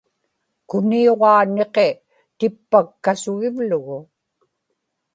kuniuġaa niqi tippakkasugivlugu